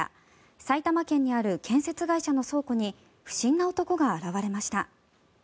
埼玉県にある建設会社の倉庫に不審な男が現れました。